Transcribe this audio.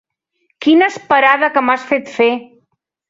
Quina esperada que m'has fet fer!